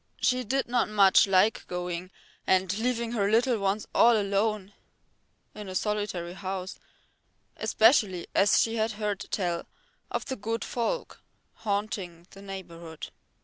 She did not much like going and leaving her little ones all alone in a solitary house, especially as she had heard tell of the good folk haunting the neighbourhood.